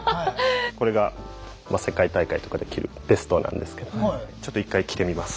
これが世界大会とかで着るベストなんですけどちょっと１回着てみます。